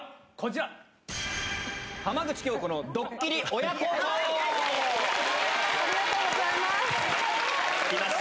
ありがとうございます。